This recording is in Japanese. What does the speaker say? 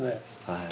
はい。